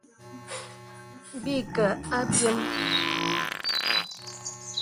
Bə̀ î kə̀ a abyēm.